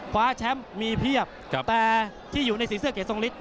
คว้าแชมป์มีเพียบแต่ที่อยู่ในสีเสื้อเกรทรงฤทธ